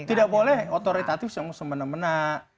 tidak boleh otoritatif yang semena mena